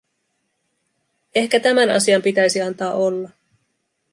Ehkä tämän asian pitäisi antaa olla.